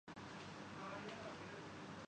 جہاں پہنچانی ہوں۔